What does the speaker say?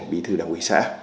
bí thư đảng quỷ xã